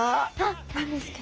何ですか？